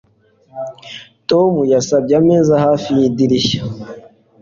Tom yasabye ameza hafi yidirishya